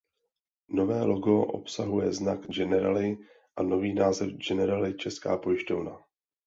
Nové logo obsahuje znak Generali a nový název Generali Česká pojišťovna.